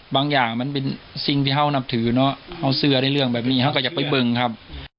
อย่างมันเป็นสิ่งที่เขานับถือเนาะเอาเสื้อในเรื่องแบบนี้เขาก็อยากไปเบิ่งครับ